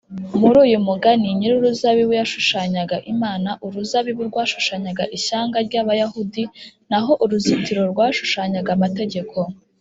muri uyu mugani nyir’uruzabibu yashushanyaga imana, uruzabibu rwashushanyaga ishyanga ry’abayahudi, naho uruzitiro rwashushanyaga amategeko